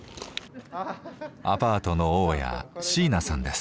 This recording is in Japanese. アパートの大家椎名さんです。